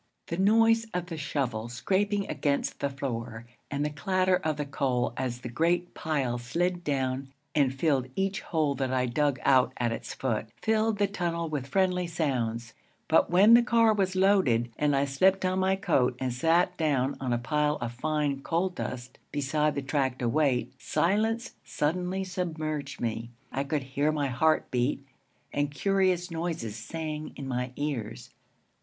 The noise of the shovel scraping against the floor and the clatter of the coal as the great pile slid down and filled each hole that I dug out at its foot, filled the tunnel with friendly sounds; but when the car was loaded and I slipped on my coat and sat down on a pile of fine coal dust beside the track to wait, silence suddenly submerged me. I could hear my heart beat, and curious noises sang in my ears.